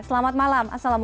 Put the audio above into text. selamat malam assalamualaikum